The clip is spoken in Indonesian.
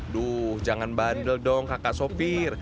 duh jangan bandel dong kakak sopir